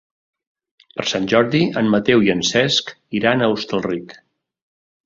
Per Sant Jordi en Mateu i en Cesc iran a Hostalric.